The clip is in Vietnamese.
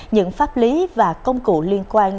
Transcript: những pháp lý và công cụ liên quan